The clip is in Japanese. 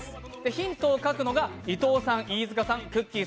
ヒントを書くのが伊藤さん、飯塚さん、くっきー！